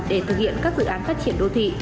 để thực hiện các dự án phát triển đô thị